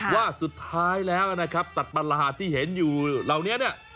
ว่าสุดท้ายแล้วนะครับสัตว์ประหลาดที่เห็นอยู่เหล่านี้เนี่ย